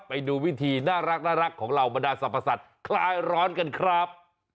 ไปดูวิธีน่ารักของเหล่าบรรดาสรรพสัตว์คลายร้อนกันครับ